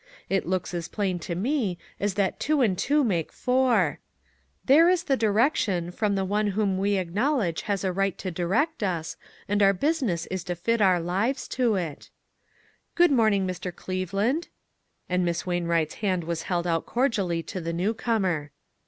It looks as plain to me as that two MISS WAINWRIGHT'S "MUDDLE." . 39 and two make four; there is the direction from the One whom we acknowledge has a right to direct us and our business is to fit our lives to it." " Good morning, Mr. Cleveland," and Miss Wain Wright's hand was held out cordially to the new comer.